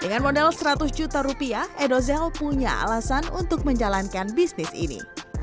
dengan modal seratus juta rupiah edozel punya alasan untuk menjalankan bisnis ini